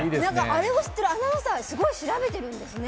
あれを知ってるアナウンサーすごい調べてるんですね。